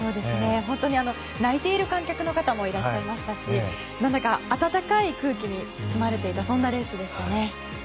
本当に泣いている観客の方もいらっしゃいましたし温かい空気に包まれていたそんなレースでしたね。